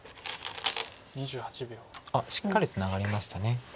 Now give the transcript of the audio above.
あっしっかりツナがりました。